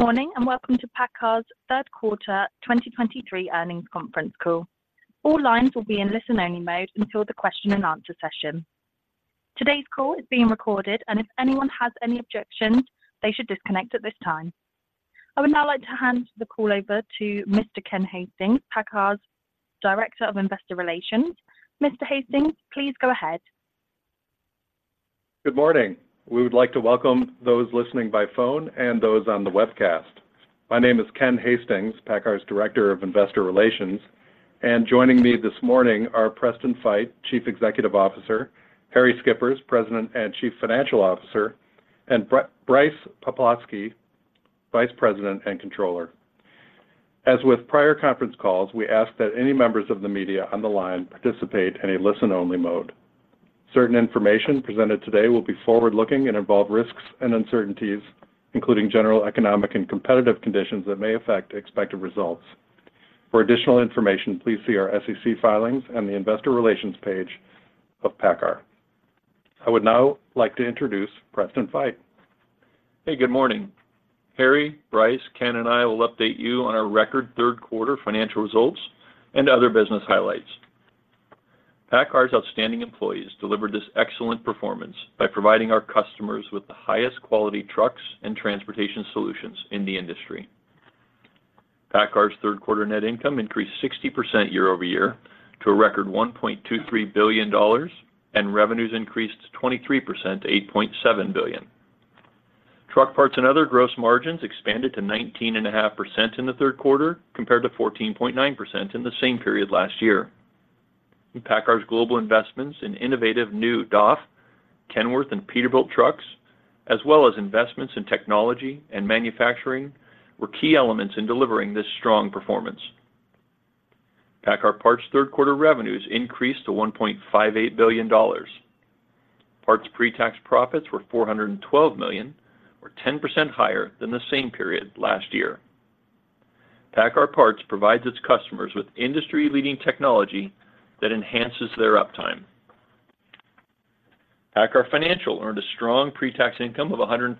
Good morning, and welcome to PACCAR's Q3 2023 earnings conference call. All lines will be in listen-only mode until the question and answer session. Today's call is being recorded, and if anyone has any objections, they should disconnect at this time. I would now like to hand the call over to Mr. Ken Hastings, PACCAR's Director of Investor Relations. Mr. Hastings, please go ahead. Good morning. We would like to welcome those listening by phone and those on the webcast. My name is Ken Hastings, PACCAR's Director of Investor Relations, and joining me this morning are Preston Feight, Chief Executive Officer, Harrie Schippers, President and Chief Financial Officer, and Brice Poplawski, Vice President and Controller. As with prior conference calls, we ask that any members of the media on the line participate in a listen-only mode. Certain information presented today will be forward-looking and involve risks and uncertainties, including general economic and competitive conditions that may affect expected results. For additional information, please see our SEC filings and the investor relations page of PACCAR. I would now like to introduce Preston Feight. Hey, good morning. Harrie, Brice, Ken, and I will update you on our record Q3 financial results and other business highlights. PACCAR's outstanding employees delivered this excellent performance by providing our customers with the highest quality trucks and transportation solutions in the industry. PACCAR's Q3 net income increased 60% year over year to a record $1.23 billion, and revenues increased 23% to $ 8.7 billion. Truck, Parts and Other gross margins expanded to 19.5% in the Q3, compared to 14.9% in the same period last year. PACCAR's global investments in innovative new DAF, Kenworth, and Peterbilt trucks, as well as investments in technology and manufacturing, were key elements in delivering this strong performance. PACCAR Parts Q3 revenues increased to $1.58 billion. Parts pre-tax profits were $412 million, or 10% higher than the same period last year. PACCAR Parts provides its customers with industry-leading technology that enhances their uptime. PACCAR Financial earned a strong pre-tax income of $134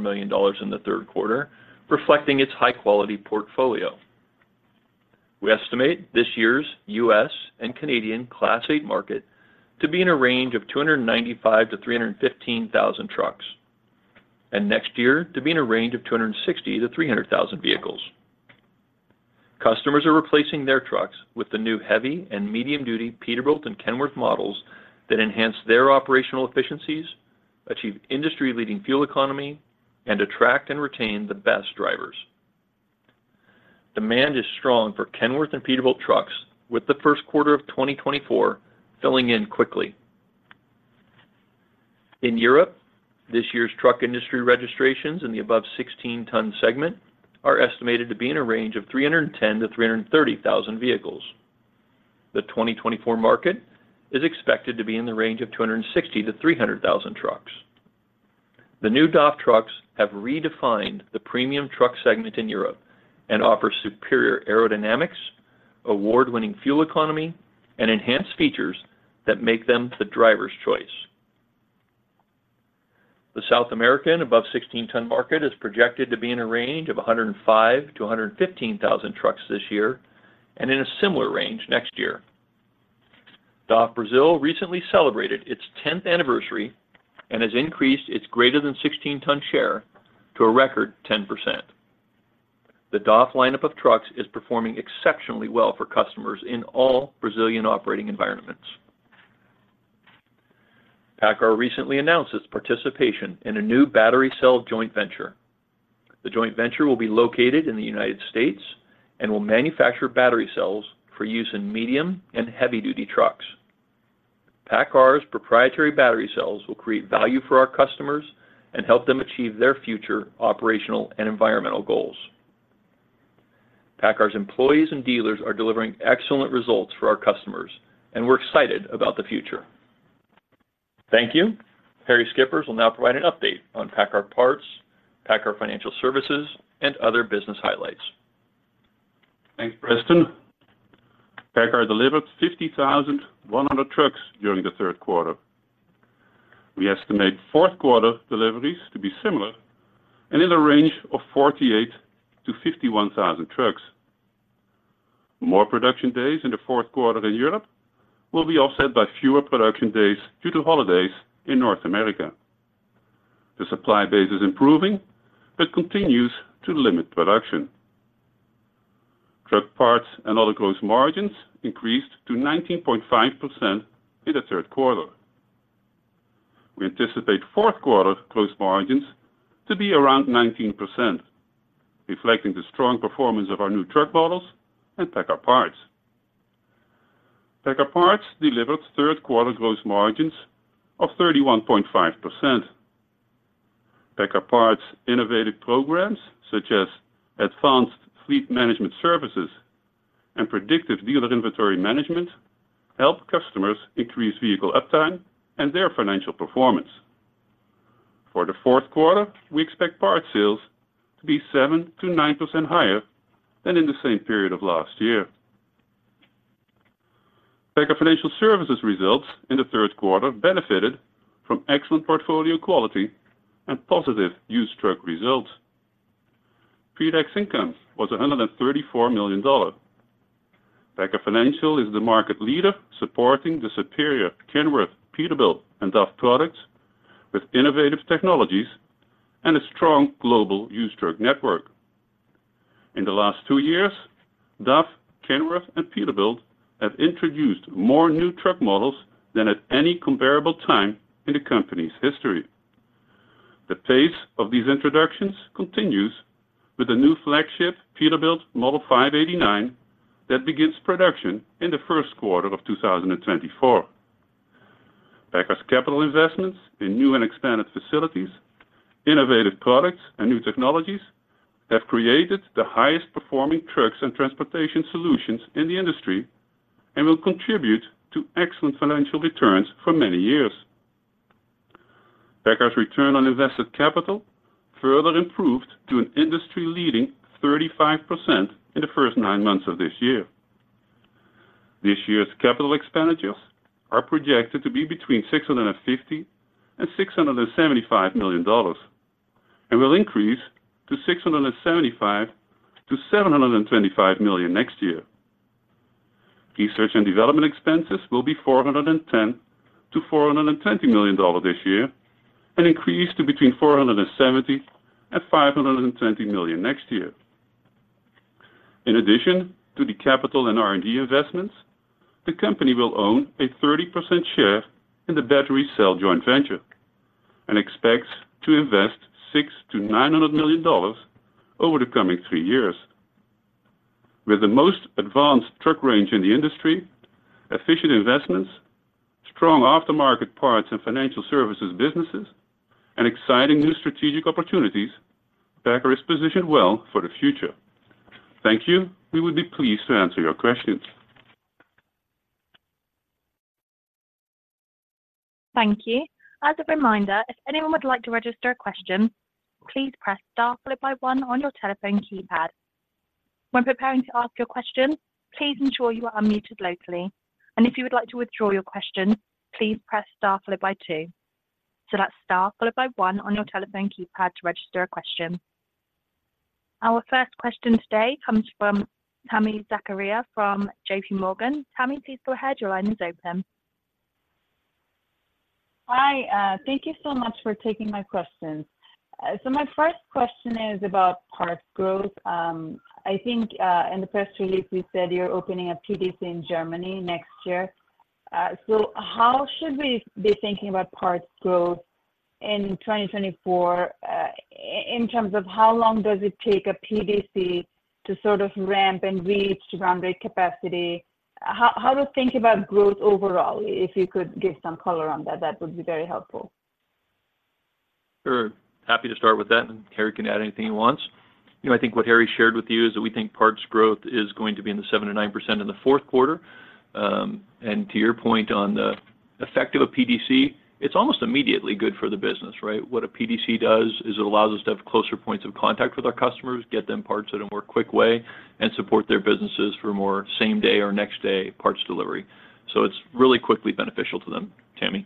million in the Q3, reflecting its high-quality portfolio. We estimate this year's U.S. and Canadian Class 8 market to be in a range of 295,000 to 315,000 trucks, and next year to be in a range of 260,000 to 300,000 vehicles. Customers are replacing their trucks with the new heavy- and medium-duty Peterbilt and Kenworth models that enhance their operational efficiencies, achieve industry-leading fuel economy, and attract and retain the best drivers. Demand is strong for Kenworth and Peterbilt trucks, with the Q1 of 2024 filling in quickly. In Europe, this year's truck industry registrations in the above 16-ton segment are estimated to be in a range of 310,000 to 330,000 vehicles. The 2024 market is expected to be in the range of 260,000 to 300,000 trucks. The new DAF trucks have redefined the premium truck segment in Europe and offer superior aerodynamics, award-winning fuel economy, and enhanced features that make them the driver's choice. The South American above 16-ton market is projected to be in a range of 105,000 to 115,000 trucks this year and in a similar range next year. DAF Brazil recently celebrated its tenth anniversary and has increased its greater than 16-ton share to a record 10%. The DAF lineup of trucks is performing exceptionally well for customers in all Brazilian operating environments. PACCAR recently announced its participation in a new battery cell joint venture. The joint venture will be located in the United States and will manufacture battery cells for use in medium- and heavy-duty trucks. PACCAR's proprietary battery cells will create value for our customers and help them achieve their future operational and environmental goals. PACCAR's employees and dealers are delivering excellent results for our customers, and we're excited about the future. Thank you. Harrie Schippers will now provide an update on PACCAR Parts, PACCAR Financial Services, and other business highlights. Thanks, Preston. PACCAR delivered 50,100 trucks during the Q3. We estimate Q4 deliveries to be similar and in a range of 48,000 to 51,000 trucks. More production days in the Q4 in Europe will be offset by fewer production days due to holidays in North America. The supply base is improving but continues to limit production. Truck, Parts and Other gross margins increased to 19.5% in the Q3. We anticipate Q4 gross margins to be around 19%, reflecting the strong performance of our new truck models and PACCAR Parts. PACCAR Parts delivered Q3 gross margins of 31.5%. PACCAR Parts' innovative programs, such as advanced fleet management services and predictive dealer inventory management, help customers increase vehicle uptime and their financial performance. For the Q4, we expect parts sales to be 7% to 9% higher than in the same period of last year. PACCAR Financial Services results in the Q3 benefited from excellent portfolio quality and positive used truck results. Pretax income was $134 million. PACCAR Financial is the market leader, supporting the superior Kenworth, Peterbilt, and DAF products with innovative technologies and a strong global used truck network. In the last two years, DAF, Kenworth, and Peterbilt have introduced more new truck models than at any comparable time in the company's history. The pace of these introductions continues with the new flagship Peterbilt Model 589 that begins production in the Q1 of 2024. PACCAR's capital investments in new and expanded facilities, innovative products, and new technologies have created the highest performing trucks and transportation solutions in the industry and will contribute to excellent financial returns for many years. PACCAR's return on invested capital further improved to an industry-leading 35% in the first nine months of this year. This year's capital expenditures are projected to be between $650 million and $675 million and will increase to $675 million to $725 million next year. Research and development expenses will be $410 million to $420 million this year and increase to between $470 million and $520 million next year. In addition to the capital and R&D investments, the company will own a 30% share in the battery cell joint venture and expects to invest $600 million to $900 million over the coming three years. With the most advanced truck range in the industry, efficient investments, strong aftermarket parts and financial services businesses, and exciting new strategic opportunities, PACCAR is positioned well for the future. Thank you. We would be pleased to answer your questions. Thank you. As a reminder, if anyone would like to register a question, please press star followed by one on your telephone keypad. When preparing to ask your question, please ensure you are unmuted locally, and if you would like to withdraw your question, please press star followed by two. So that's star followed by one on your telephone keypad to register a question. Our first question today comes from Tami Zakaria from JPMorgan. Tami, please go ahead. Your line is open. Hi, thank you so much for taking my questions. So my first question is about parts growth. I think, in the press release, we said you're opening a PDC in Germany next year. So how should we be thinking about parts growth in 2024, in terms of how long does it take a PDC to sort of ramp and reach run rate capacity? How to think about growth overall, if you could give some color on that, that would be very helpful. Sure. Happy to start with that, and Harrie can add anything he wants. You know, I think what Harrie shared with you is that we think parts growth is going to be in the 7% to 9% in the Q4. And to your point on the effect of a PDC, it's almost immediately good for the business, right? What a PDC does is it allows us to have closer points of contact with our customers, get them parts in a more quick way, and support their businesses for more same-day or next-day parts delivery. So it's really quickly beneficial to them, Tami.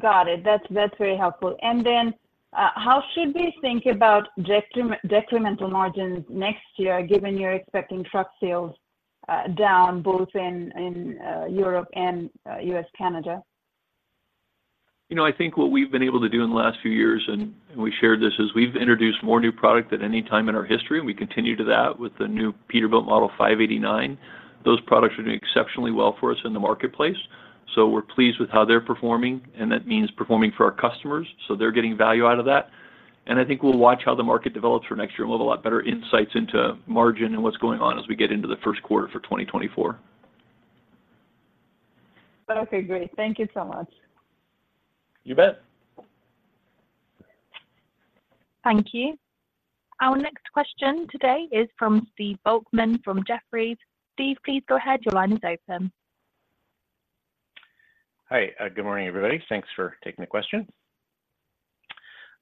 Got it. That's, that's very helpful. And then, how should we think about decremental margins next year, given you're expecting truck sales down both in Europe and U.S., Canada? You know, I think what we've been able to do in the last few years, and we shared this, is we've introduced more new product than any time in our history, and we continue to do that with the new Peterbilt Model 589. Those products are doing exceptionally well for us in the marketplace, so we're pleased with how they're performing, and that means performing for our customers, so they're getting value out of that. I think we'll watch how the market develops for next year, and we'll have a lot better insights into margin and what's going on as we get into the Q1 for 2024. Okay, great. Thank you so much. You bet. Thank you. Our next question today is from Steve Volkmann from Jefferies. Steve, please go ahead. Your line is open. Hi. Good morning, everybody. Thanks for taking the question.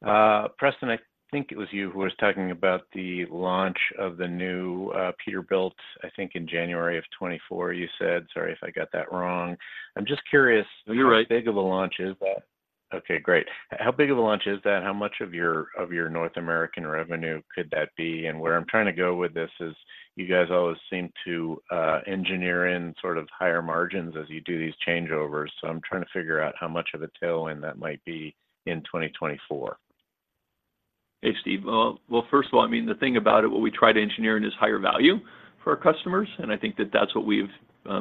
Preston, I think it was you who was talking about the launch of the new Peterbilt, I think, in January of 2024, you said. Sorry if I got that wrong. I'm just curious, how big of a launch is that? You're right. Okay, great. How big of a launch is that? How much of your, of your North American revenue could that be? And where I'm trying to go with this is, you guys always seem to engineer in sort of higher margins as you do these changeovers, so I'm trying to figure out how much of a tailwind that might be in 2024. Hey, Steve. Well, well, first of all, I mean, the thing about it, what we try to engineer in is higher value for our customers, and I think that that's what we've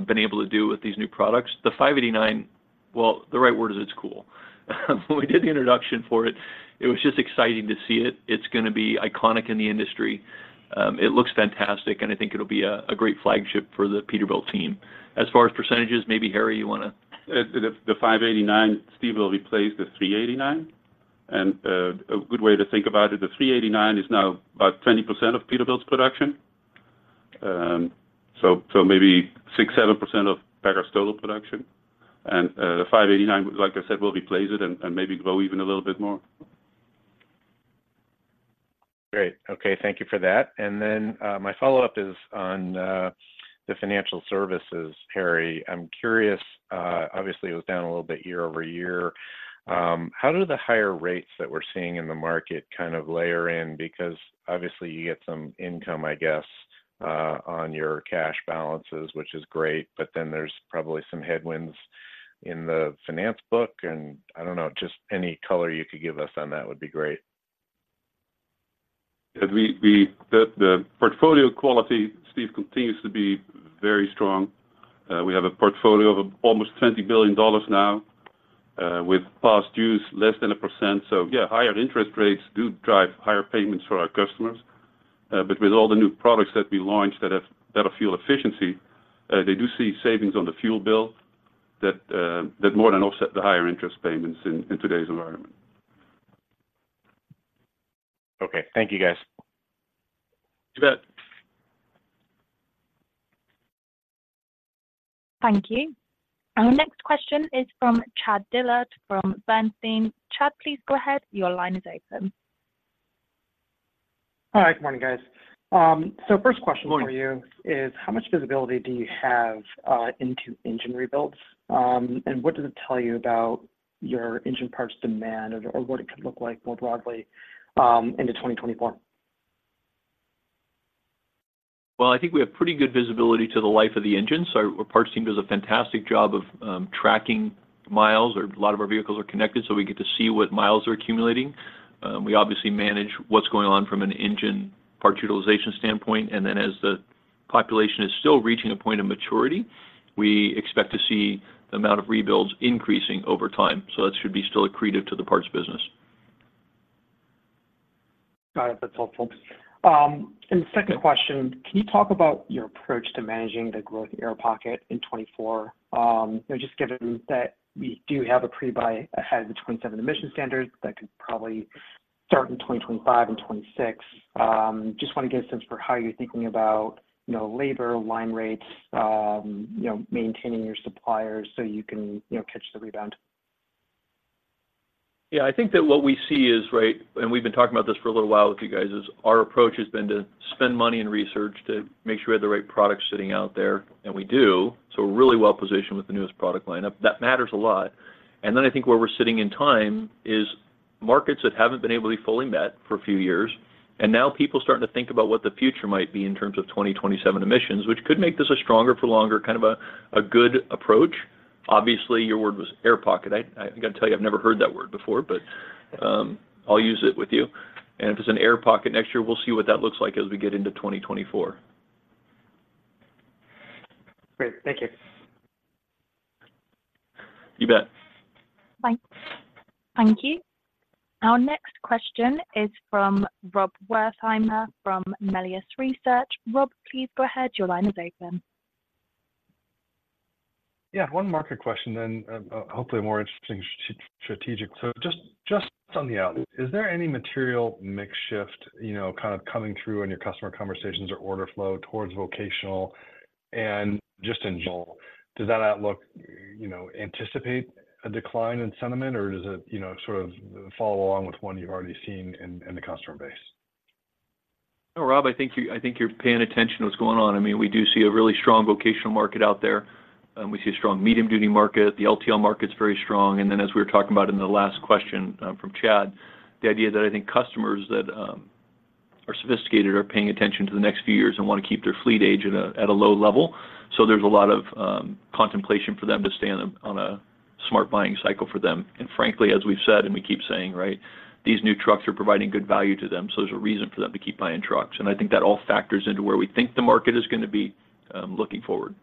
been able to do with these new products. The 589, well, the right word is it's cool. When we did the introduction for it, it was just exciting to see it. It's gonna be iconic in the industry. It looks fantastic, and I think it'll be a great flagship for the Peterbilt team. As far as percentages, maybe, Harrie, you wanna- The 589, Steve, will replace the 389, and a good way to think about it, the 389 is now about 20% of Peterbilt's production. So maybe 6 to 7% of PACCAR's total production, and the 589, like I said, will replace it and maybe grow even a little bit more.... Great. Okay, thank you for that. And then, my follow-up is on the financial services, Harrie. I'm curious, obviously, it was down a little bit year-over-year. How do the higher rates that we're seeing in the market kind of layer in? Because obviously, you get some income, I guess, on your cash balances, which is great, but then there's probably some headwinds in the finance book, and I don't know, just any color you could give us on that would be great. Yeah, the portfolio quality, Steve, continues to be very strong. We have a portfolio of almost $20 billion now, with past dues less than 1%. So yeah, higher interest rates do drive higher payments for our customers. But with all the new products that we launched that have better fuel efficiency, they do see savings on the fuel bill that more than offset the higher interest payments in today's environment. Okay. Thank you, guys. You bet. Thank you. Our next question is from Chad Dillard from Bernstein. Chad, please go ahead. Your line is open. Hi. Good morning guys, First question. Good morning For you is, how much visibility do you have into engine rebuilds? And what does it tell you about your engine parts demand or what it could look like more broadly into 2024? Well, I think we have pretty good visibility to the life of the engine, so our parts team does a fantastic job of tracking miles, or a lot of our vehicles are connected, so we get to see what miles are accumulating. We obviously manage what's going on from an engine parts utilization standpoint, and then as the population is still reaching a point of maturity, we expect to see the amount of rebuilds increasing over time. So that should be still accretive to the parts business. Got it. That's helpful. And the second question, can you talk about your approach to managing the growth air pocket in 2024? You know, just given that we do have a pre-buy ahead of the 2027 emission standards, that could probably start in 2025 and 2026. Just want to get a sense for how you're thinking about, you know, labor, line rates, you know, maintaining your suppliers so you can, you know, catch the rebound. Yeah, I think that what we see is, right, and we've been talking about this for a little while with you guys, is our approach has been to spend money in research to make sure we have the right products sitting out there, and we do. So we're really well positioned with the newest product lineup. That matters a lot. And then I think where we're sitting in time is markets that haven't been able to be fully met for a few years, and now people are starting to think about what the future might be in terms of 2027 emissions, which could make this a stronger for longer, kind of a, a good approach. Obviously, your word was air pocket. I got to tell you, I've never heard that word before, but, I'll use it with you. If there's an air pocket next year, we'll see what that looks like as we get into 2024. Great. Thank you. You bet. Bye. Thank you. Our next question is from Rob Wertheimer, from Melius Research. Rob, please go ahead. Your line is open. Yeah, one market question, then, hopefully, a more interesting strategic. So just, just on the outlook, is there any material mix shift, you know, kind of coming through in your customer conversations or order flow towards vocational? And just in general, does that outlook, you know, anticipate a decline in sentiment, or does it, you know, sort of follow along with one you've already seen in the customer base? Oh, Rob, I think you're paying attention to what's going on. I mean, we do see a really strong vocational market out there, and we see a strong medium-duty market. The LTL market is very strong. And then, as we were talking about in the last question from Chad, the idea that I think customers that are sophisticated are paying attention to the next few years and want to keep their fleet age at a low level. So there's a lot of contemplation for them to stay on a smart buying cycle for them. And frankly, as we've said, and we keep saying, right, these new trucks are providing good value to them, so there's a reason for them to keep buying trucks. I think that all factors into where we think the market is going to be, looking forward.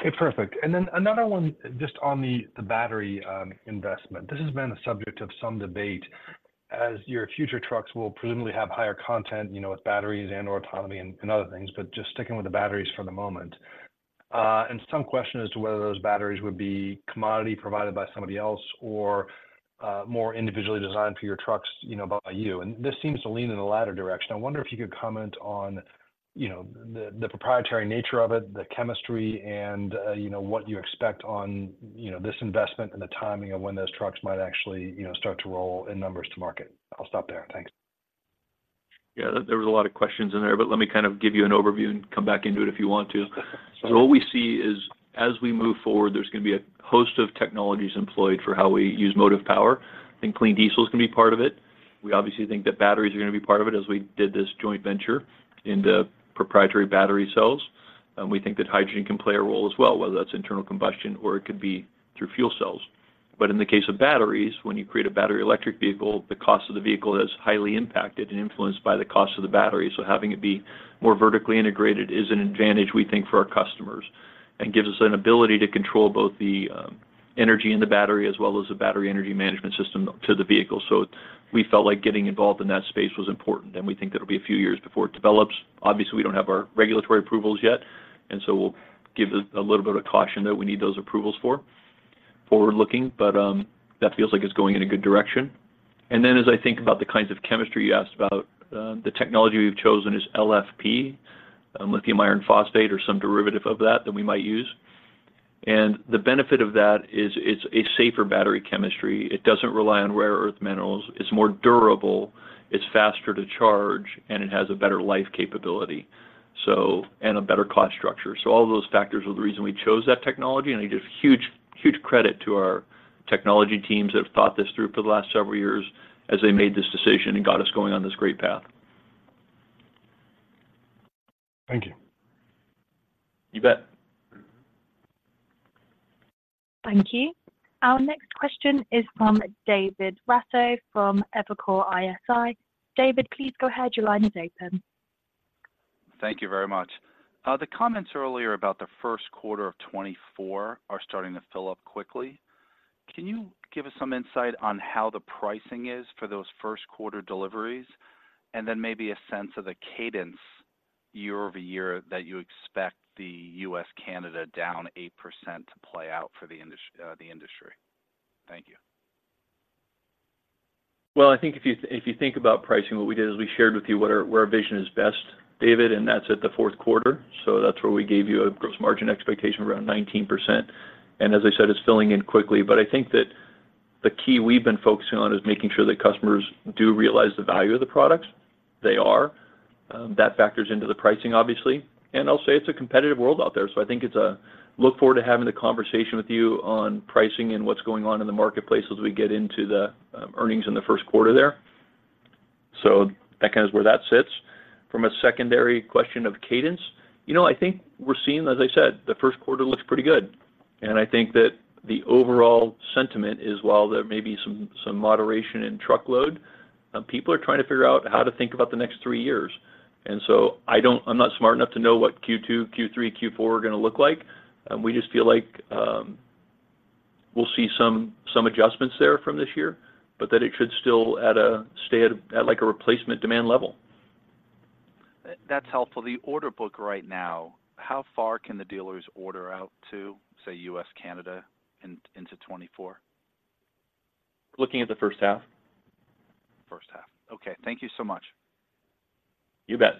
Okay, perfect. And then another one, just on the battery investment. This has been a subject of some debate, as your future trucks will presumably have higher content, you know, with batteries and/or autonomy and, and other things, but just sticking with the batteries for the moment. And some question as to whether those batteries would be commodity provided by somebody else or, more individually designed for your trucks, you know, by you. And this seems to lean in the latter direction. I wonder if you could comment on, you know, the proprietary nature of it, the chemistry, and, you know, what you expect on, you know, this investment and the timing of when those trucks might actually, you know, start to roll in numbers to market. I'll stop there. Thanks. Yeah, there was a lot of questions in there, but let me kind of give you an overview and come back into it if you want to. Sure. So what we see is, as we move forward, there's going to be a host of technologies employed for how we use motive power, and clean diesel is going to be part of it. We obviously think that batteries are going to be part of it, as we did this joint venture into proprietary battery cells. And we think that hydrogen can play a role as well, whether that's internal combustion or it could be through fuel cells. But in the case of batteries, when you create a battery electric vehicle, the cost of the vehicle is highly impacted and influenced by the cost of the battery. So having it be more vertically integrated is an advantage, we think, for our customers, and gives us an ability to control both the energy in the battery as well as the battery energy management system to the vehicle. So we felt like getting involved in that space was important, and we think it'll be a few years before it develops. Obviously, we don't have our regulatory approvals yet, and so we'll give a little bit of caution that we need those approvals for forward-looking, but that feels like it's going in a good direction. And then, as I think about the kinds of chemistry you asked about, the technology we've chosen is LFP, lithium iron phosphate, or some derivative of that, that we might use. And the benefit of that is it's a safer battery chemistry. It doesn't rely on rare earth minerals, it's more durable, it's faster to charge, and it has a better life capability, so, and a better cost structure. All of those factors were the reason we chose that technology, and I give huge, huge credit to our technology teams that have thought this through for the last several years as they made this decision and got us going on this great path. Thank you. You bet. Thank you. Our next question is from David Raso, from Evercore ISI. David, please go ahead. Your line is open. Thank you very much. The comments earlier about the Q1 of 2024 are starting to fill up quickly. Can you give us some insight on how the pricing is for those Q1 deliveries, and then maybe a sense of the cadence year-over-year that you expect the U.S., Canada down 8% to play out for the industry, the industry? Thank you. Well, I think if you, if you think about pricing, what we did is we shared with you where our vision is best, David, and that's at the Q4. So that's where we gave you a gross margin expectation of around 19%. And as I said, it's filling in quickly. But I think that the key we've been focusing on is making sure that customers do realize the value of the products. They are, that factors into the pricing, obviously, and I'll say it's a competitive world out there. So I think it's a look forward to having the conversation with you on pricing and what's going on in the marketplace as we get into the earnings in the Q1 there. So that is where that sits. From a secondary question of cadence, you know, I think we're seeing, as I said, the Q1 looks pretty good, and I think that the overall sentiment is, while there may be some moderation in truckload, people are trying to figure out how to think about the next three years. And so I'm not smart enough to know what Q2, Q3, Q4 are gonna look like. We just feel like, we'll see some adjustments there from this year, but that it should still stay at, like, a replacement demand level. That's helpful. The order book right now, how far can the dealers order out to, say, U.S., Canada, into 2024? Looking at the first half. First half. Okay, thank you so much. You bet.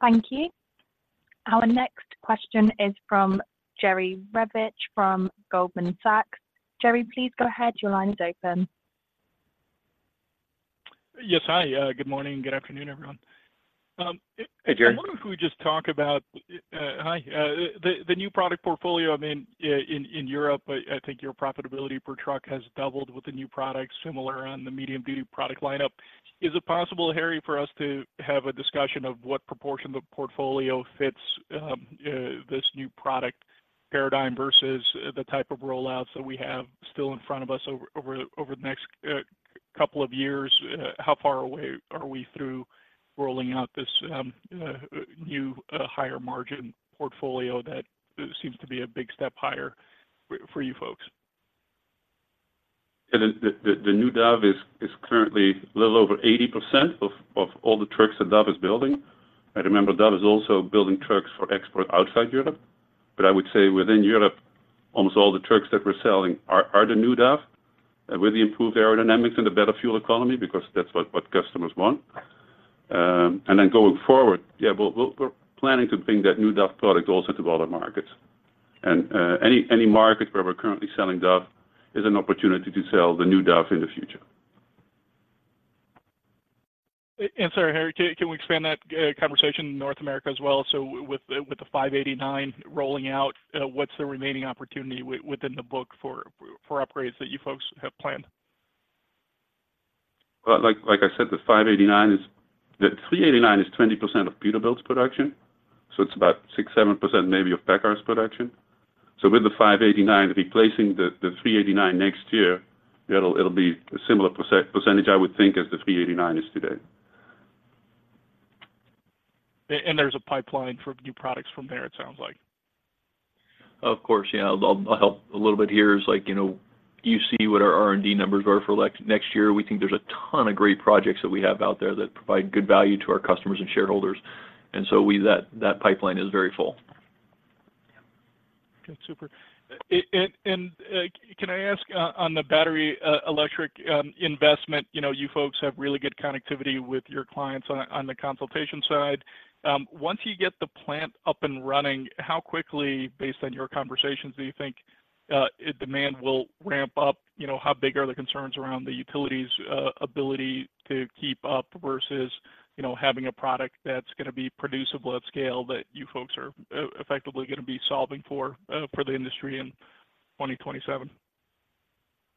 Thank you. Our next question is from Jerry Revich, from Goldman Sachs. Jerry, please go ahead. Your line is open. Yes. Hi, good morning, good afternoon, everyone. Hey, Jerry. I wonder if we just talk about the new product portfolio, I mean, in Europe, I think your profitability per truck has doubled with the new products, similar on the medium duty product lineup. Is it possible, Harrie, for us to have a discussion of what proportion of the portfolio fits this new product paradigm versus the type of rollouts that we have still in front of us over the next couple of years? How far away are we through rolling out this new higher margin portfolio that seems to be a big step higher for you folks? And the new DAF is currently a little over 80% of all the trucks that DAF is building. And remember, DAF is also building trucks for export outside Europe. But I would say within Europe, almost all the trucks that we're selling are the new DAF with the improved aerodynamics and the better fuel economy, because that's what customers want. And then going forward, yeah, we'll, we're planning to bring that new DAF product also to other markets. And any market where we're currently selling DAF is an opportunity to sell the new DAF in the future. Sorry, Harrie, can we expand that conversation in North America as well? So with the 589 rolling out, what's the remaining opportunity within the book for upgrades that you folks have planned? Well, like I said, the 589 is, the 389 is 20% of Peterbilt's production, so it's about 6 to 7% maybe of PACCAR's production. So with the 589 replacing the 389 next year, it'll be a similar percentage, I would think, as the 389 is today. And there's a pipeline for new products from there, it sounds like. Of course, yeah. I'll help a little bit here is like, you know, you see what our R&D numbers are for like next year. We think there's a ton of great projects that we have out there that provide good value to our customers and shareholders, and so we, that pipeline is very full. Okay, super. And can I ask on the battery electric investment, you know, you folks have really good connectivity with your clients on the consultation side. Once you get the plant up and running, how quickly, based on your conversations, do you think demand will ramp up? You know, how big are the concerns around the utility's ability to keep up versus, you know, having a product that's gonna be producible at scale that you folks are effectively gonna be solving for the industry in 2027?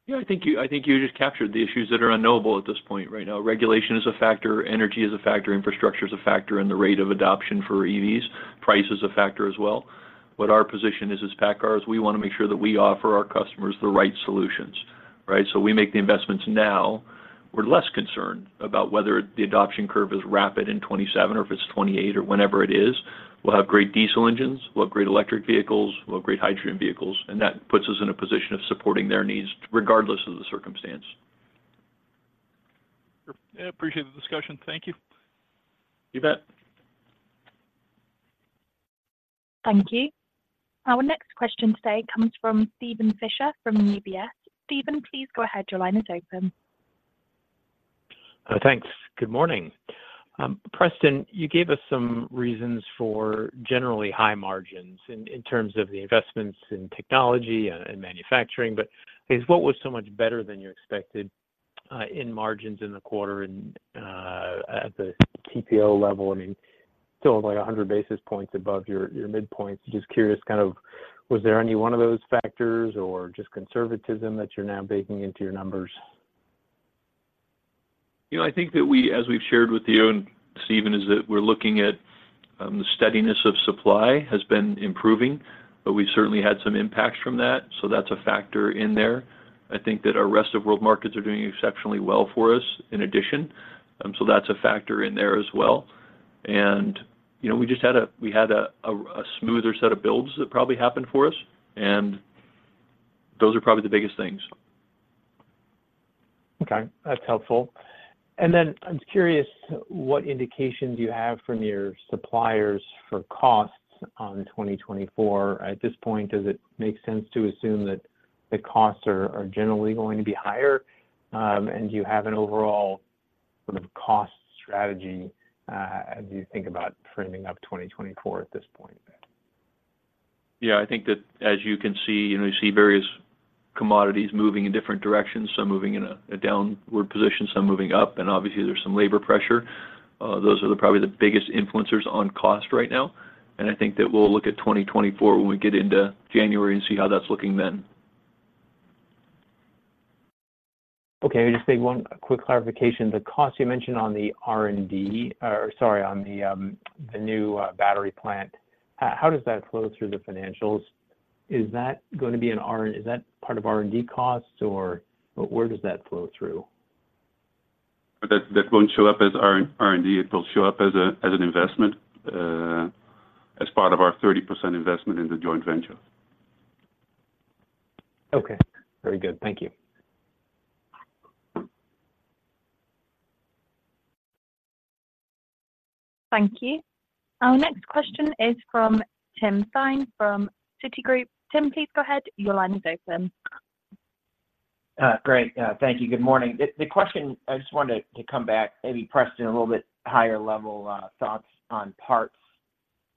Yeah, I think you, I think you just captured the issues that are unknowable at this point right now. Regulation is a factor, energy is a factor, infrastructure is a factor, and the rate of adoption for EVs, price is a factor as well. What our position is as PACCAR is we want to make sure that we offer our customers the right solutions, right? So we make the investments now. We're less concerned about whether the adoption curve is rapid in 2027 or if it's 2028 or whenever it is. We'll have great diesel engines, we'll have great electric vehicles, we'll have great hydrogen vehicles, and that puts us in a position of supporting their needs, regardless of the circumstance. Sure. I appreciate the discussion. Thank you. You bet. Thank you. Our next question today comes from Steven Fisher, from UBS. Stephen, please go ahead. Your line is open. Thanks. Good morning. Preston, you gave us some reasons for generally high margins in terms of the investments in technology and manufacturing, but I guess what was so much better than you expected in margins in the quarter and at the TPO level? I mean, still like, 100 basis points above your midpoints. Just curious, kind of, was there any one of those factors or just conservatism that you're now baking into your numbers? You know, I think that we, as we've shared with you and Steven, is that we're looking at the steadiness of supply has been improving, but we've certainly had some impacts from that, so that's a factor in there. I think that our rest of world markets are doing exceptionally well for us in addition, so that's a factor in there as well. And, you know, we just had a smoother set of builds that probably happened for us, and those are probably the biggest things. Okay, that's helpful. And then I'm curious, what indication do you have from your suppliers for costs on 2024? At this point, does it make sense to assume that the costs are generally going to be higher? And do you have an overall sort of cost strategy, as you think about framing up 2024 at this point? Yeah, I think that as you can see, you know, we see various commodities moving in different directions, some moving in a downward position, some moving up, and obviously there's some labor pressure. Those are probably the biggest influencers on cost right now, and I think that we'll look at 2024 when we get into January and see how that's looking then. Okay, just take one quick clarification. The cost you mentioned on the R&D... Or sorry, on the new battery plant, how does that flow through the financials? Is that going to be an, is that part of R&D costs, or where does that flow through? That, that won't show up as R&D. It'll show up as an investment, as part of our 30% investment in the joint venture. Okay. Very good. Thank you. Thank you. Our next question is from Tim Thein from Citigroup. Tim, please go ahead. Your line is open. Great. Thank you. Good morning. The question, I just wanted to come back, maybe Preston, a little bit higher level, thoughts on parts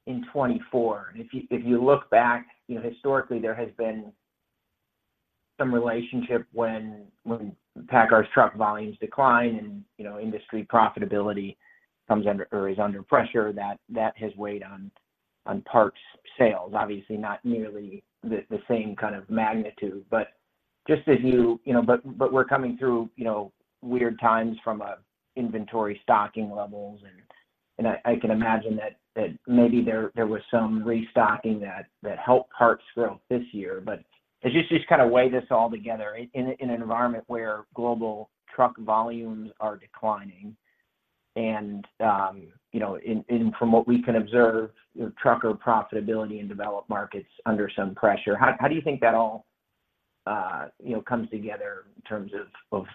in 2024. If you look back, you know, historically, there has been some relationship when PACCAR's truck volumes decline and, you know, industry profitability comes under or is under pressure, that has weighed on parts sales. Obviously, not nearly the same kind of magnitude, but just as you... You know, but we're coming through, you know, weird times from a inventory stocking levels, and I can imagine that maybe there was some restocking that helped parts growth this year. But as you just kind of weigh this all together, in an environment where global truck volumes are declining and, you know, and from what we can observe, you know, trucker profitability in developed markets under some pressure, how do you think that all comes together in terms of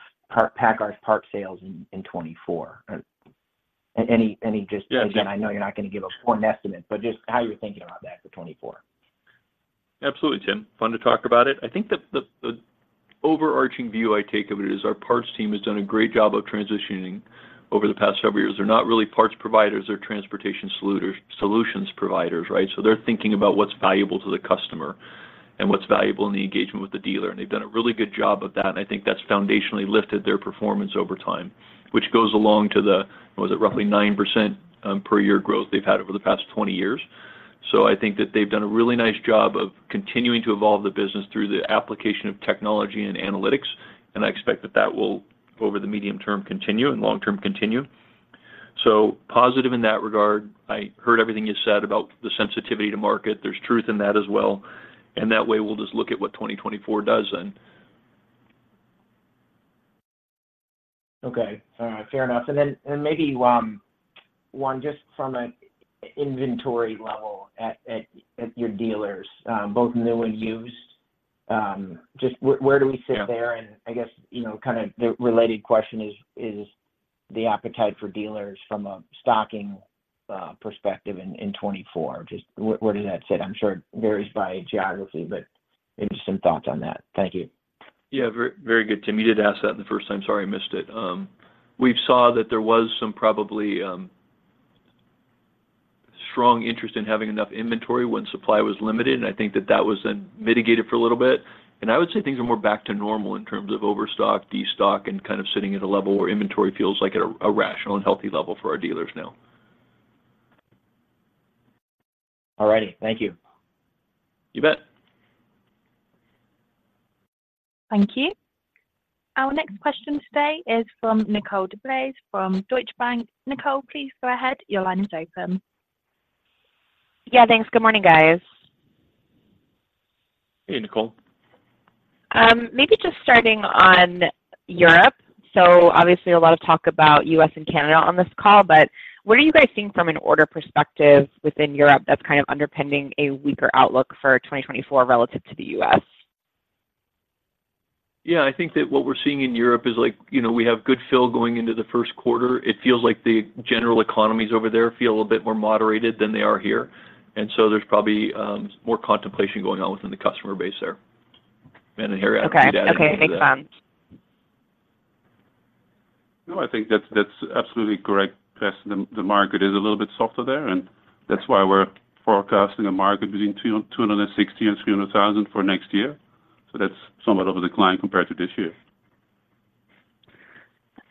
PACCAR's parts sales in 2024? Any just. Yeah, sure. I know you're not going to give a point estimate, but just how you're thinking about that for 2024. Absolutely, Tim. Fun to talk about it. I think that the overarching view I take of it is our parts team has done a great job of transitioning over the past several years. They're not really parts providers, they're transportation solutions providers, right? So they're thinking about what's valuable to the customer and what's valuable in the engagement with the dealer, and they've done a really good job of that, and I think that's foundationally lifted their performance over time, which goes along to the, was it roughly 9%, per year growth they've had over the past 20 years. So I think that they've done a really nice job of continuing to evolve the business through the application of technology and analytics, and I expect that that will, over the medium term, continue, and long term, continue. So positive in that regard. I heard everything you said about the sensitivity to market. There's truth in that as well, and that way, we'll just look at what 2024 does then. Okay. All right, fair enough. And then, maybe one, just from an inventory level at your dealers, both new and used, just where do we sit there? Yeah. I guess, you know, kind of the related question is, is the appetite for dealers from a stocking perspective in 2024, just where does that sit? I'm sure it varies by geography, but maybe just some thoughts on that. Thank you. Yeah, very, very good, Tim. You did ask that the first time. Sorry, I missed it. We've saw that there was some probably strong interest in having enough inventory when supply was limited, and I think that that was then mitigated for a little bit. I would say things are more back to normal in terms of overstock, destock, and kind of sitting at a level where inventory feels like at a rational and healthy level for our dealers now. All righty. Thank you. You bet. Thank you. Our next question today is from Nicole DeBlase from Deutsche Bank. Nicole, please go ahead. Your line is open. Yeah, thanks. Good morning, guys. Hey, Nicole. Maybe just starting on Europe. So obviously, a lot of talk about U.S. and Canada on this call, but what are you guys seeing from an order perspective within Europe that's kind of underpinning a weaker outlook for 2024 relative to the U.S.? Yeah, I think that what we're seeing in Europe is like, you know, we have good fill going into the Q1. It feels like the general economies over there feel a bit more moderated than they are here, and so there's probably more contemplation going on within the customer base there.... Okay. Okay, makes sense. No, I think that's absolutely correct, Tess. The market is a little bit softer there, and that's why we're forecasting a market between 260,000 and 300,000 for next year. So that's somewhat of a decline compared to this year.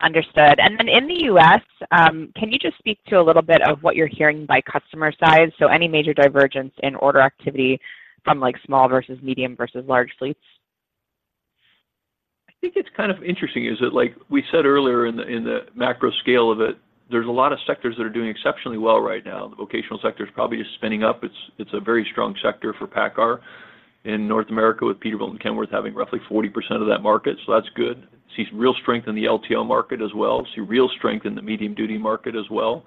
Understood. And then in the U.S., can you just speak to a little bit of what you're hearing by customer size? So any major divergence in order activity from, like, small versus medium versus large fleets? I think it's kind of interesting, is that, like we said earlier in the, in the macro scale of it, there's a lot of sectors that are doing exceptionally well right now. The vocational sector is probably just spinning up. It's a very strong sector for PACCAR in North America, with Peterbilt and Kenworth having roughly 40% of that market, so that's good. See some real strength in the LTL market as well. See real strength in the medium-duty market as well.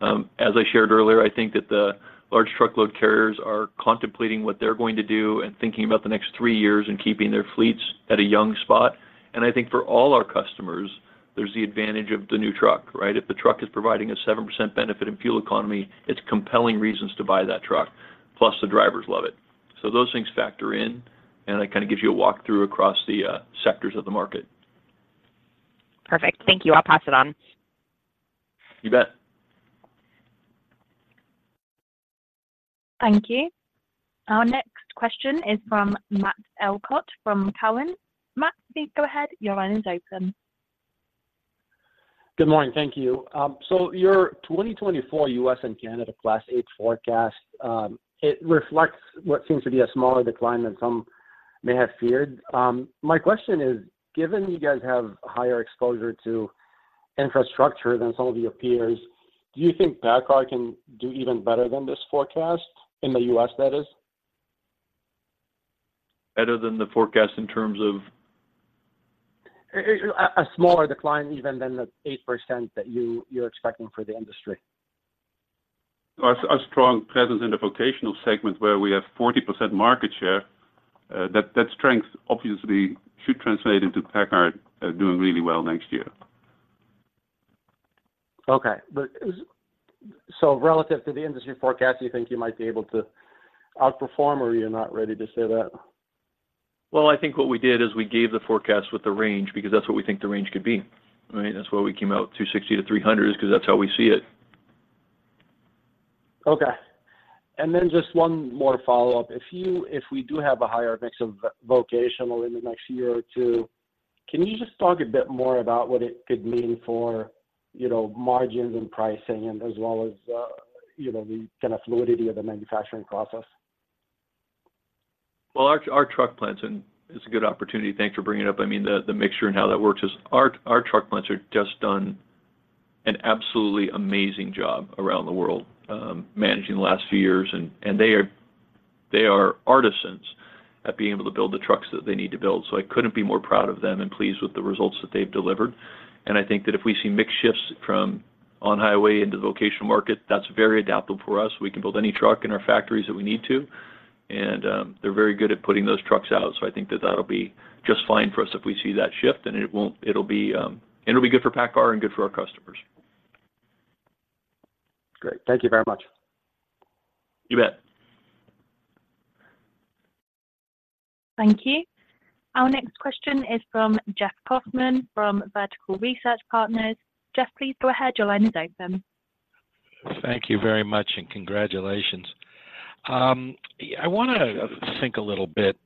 As I shared earlier, I think that the large truckload carriers are contemplating what they're going to do and thinking about the next three years and keeping their fleets at a young spot. And I think for all our customers, there's the advantage of the new truck, right? If the truck is providing a 7% benefit in fuel economy, it's compelling reasons to buy that truck, plus the drivers love it. So those things factor in, and that kind of gives you a walkthrough across the sectors of the market. Perfect. Thank you. I'll pass it on. You bet. Thank you. Our next question is from Matt Elkott from Cowen. Matt, please go ahead. Your line is open. Good morning. Thank you. Your 2024 US and Canada Class 8 forecast, it reflects what seems to be a smaller decline than some may have feared. My question is, given you guys have higher exposure to infrastructure than some of your peers, do you think PACCAR can do even better than this forecast in the US, that is? Better than the forecast in terms of? A smaller decline even than the 8% that you're expecting for the industry. Our strong presence in the vocational segment, where we have 40% market share, that strength obviously should translate into PACCAR doing really well next year. Okay. But so relative to the industry forecast, you think you might be able to outperform, or you're not ready to say that? Well, I think what we did is we gave the forecast with the range because that's what we think the range could be, right? That's why we came out 260 to 300, is because that's how we see it. Okay. And then just one more follow-up. If we do have a higher mix of vocational in the next year or two, can you just talk a bit more about what it could mean for, you know, margins and pricing, and as well as, you know, the kind of fluidity of the manufacturing process? Well, our truck plants, and it's a good opportunity. Thanks for bringing it up. I mean, the mixture and how that works is our truck plants have just done an absolutely amazing job around the world, managing the last few years, and they are artisans at being able to build the trucks that they need to build, so I couldn't be more proud of them and pleased with the results that they've delivered. And I think that if we see mix shifts from on-highway into the vocational market, that's very adaptable for us. We can build any truck in our factories that we need to, and they're very good at putting those trucks out, so I think that that'll be just fine for us if we see that shift, iIt'll be good for PACCAR and good for our customers. Great. Thank you very much. You bet. Thank you. Our next question is from Jeff Kauffman from Vertical Research Partners. Jeff, please go ahead. Your line is open. Thank you very much, and congratulations. I want to think a little bit,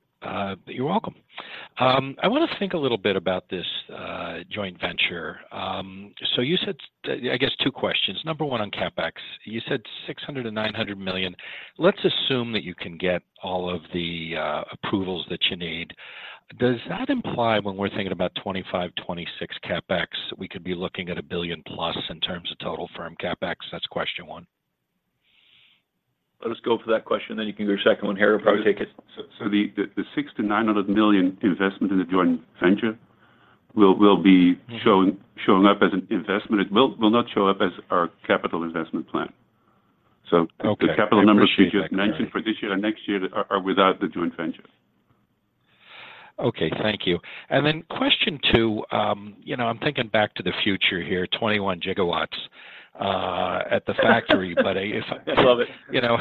you're welcome. I want to think a little bit about this, joint venture. So you said... I guess two questions. Number one on CapEx. You said $600 million to $900 million. Let's assume that you can get all of the, approvals that you need. Does that imply when we're thinking about 2025, 2026 CapEx, we could be looking at $1 billion+ in terms of total firm CapEx? That's question one. Let us go for that question, then you can go to your second one. Harrie will probably take it. So the $600 million to $900 million investment in the joint venture will be showing- Mm. showing up as an investment. It will not show up as our capital investment plan. Okay. The capital numbers you just mentioned I appreciate that. for this year and next year are without the joint venture. Okay. Thank you. And then question two, you know, I'm thinking back to the future here, 21 GW at the factory. Love it. You know,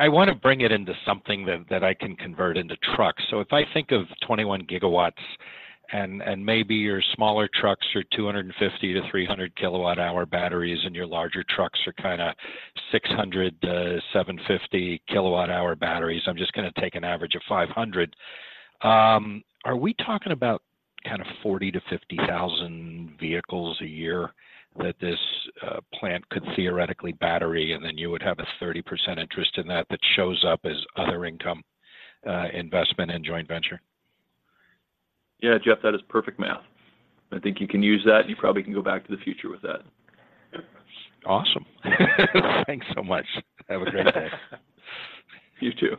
I want to bring it into something that I can convert into trucks. So if I think of 21 GW, and maybe your smaller trucks are 250 kWh to 300 kWh batteries, and your larger trucks are kind of 600 kWh to 750 kWh batteries, I'm just going to take an average of 500. Are we talking about kind of 40,000 to 50,000 vehicles a year that this plant could theoretically battery, and then you would have a 30% interest in that that shows up as other income, investment and joint venture? Yeah, Jeff, that is perfect math. I think you can use that, and you probably can go back to the future with that. Awesome. Thanks so much. Have a great day. You too.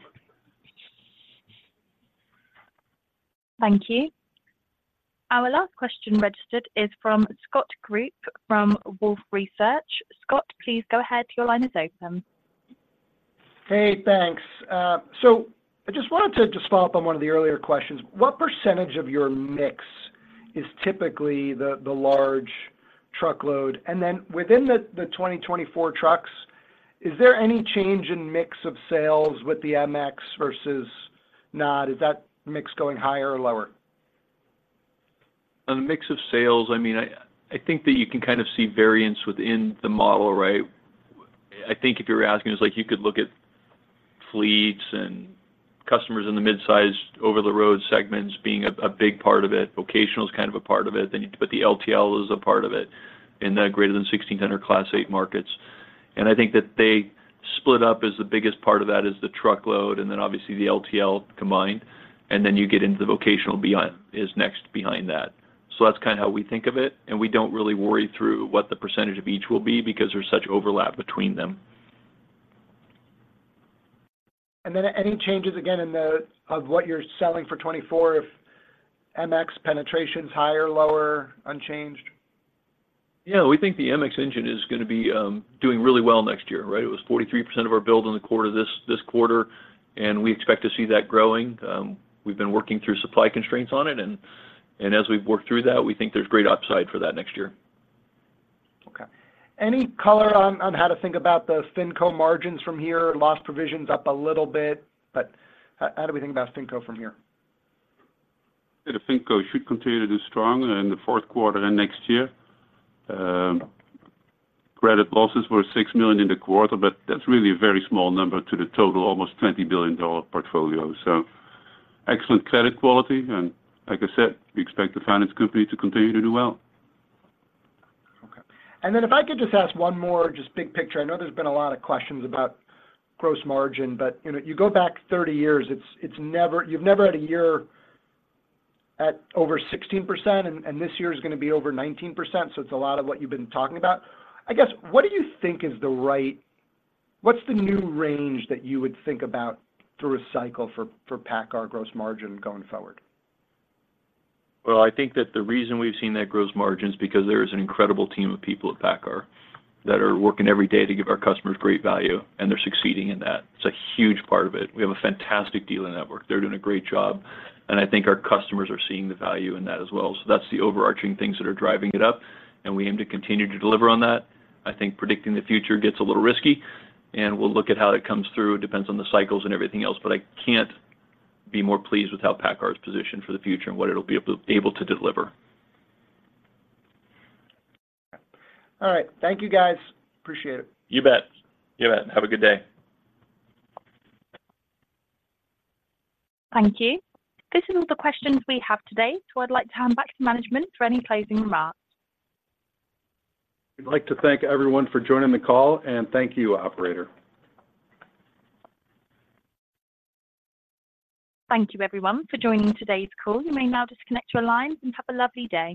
Thank you. Our last question registered is from Scott Group, from Wolfe Research. Scott, please go ahead. Your line is open. Hey, thanks. So I just wanted to just follow up on one of the earlier questions. What percentage of your mix is typically the large truckload? And then within the 2024 trucks. Is there any change in mix of sales with the MX versus not? Is that mix going higher or lower? On the mix of sales, I mean, I think that you can kind of see variance within the model, right? I think if you're asking, it's like you could look at fleets and customers in the mid-sized, over-the-road segments being a big part of it. Vocational is kind of a part of it. Then the LTL is a part of it, in the greater than 16-ton Class 8 markets. And I think that they split up as the biggest part of that is the truckload, and then obviously the LTL combined, and then you get into the vocational behind is next behind that. So that's kind of how we think of it, and we don't really worry through what the percentage of each will be because there's such overlap between them. Then any changes again in what you're selling for 2024, if MX penetration is higher, lower, unchanged? Yeah, we think the MX engine is going to be doing really well next year, right? It was 43% of our build in the quarter, this quarter, and we expect to see that growing. We've been working through supply constraints on it, and as we've worked through that, we think there's great upside for that next year. Okay. Any color on how to think about the FinCo margins from here? Lost provisions up a little bit, but how do we think about FinCo from here? Yeah, the FinCo should continue to do strong in the Q4 and next year. Credit losses were $6 million in the quarter, but that's really a very small number to the total, almost $20 billion portfolio. So excellent credit quality, and like I said, we expect the finance company to continue to do well. Okay. And then if I could just ask one more, just big picture. I know there's been a lot of questions about gross margin, but, you know, you go back 30 years, it's, it's never—you've never had a year at over 16%, and, and this year is going to be over 19%, so it's a lot of what you've been talking about. I guess, what do you think is the right—what's the new range that you would think about through a cycle for, for PACCAR gross margin going forward? Well, I think that the reason we've seen that gross margin is because there is an incredible team of people at PACCAR that are working every day to give our customers great value, and they're succeeding in that. It's a huge part of it. We have a fantastic dealer network. They're doing a great job, and I think our customers are seeing the value in that as well. So that's the overarching things that are driving it up, and we aim to continue to deliver on that. I think predicting the future gets a little risky, and we'll look at how that comes through. It depends on the cycles and everything else, but I can't be more pleased with how PACCAR is positioned for the future and what it'll be able to, able to deliver. All right. Thank you, guys. Appreciate it. You bet. You bet. Have a good day. Thank you. This is all the questions we have today, so I'd like to hand back to management for any closing remarks. We'd like to thank everyone for joining the call, and thank you, operator. Thank you, everyone, for joining today's call. You may now disconnect your line, and have a lovely day.